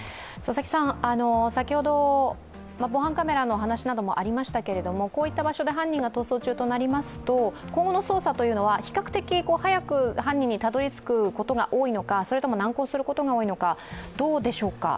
先ほど、防犯カメラの話などもありましたけれどこういった場所で犯人が逃走中となりますと、今後の捜査は比較的、早く犯人にたどりつくことが多いのか、難航することが多いのか、どうでしょうか？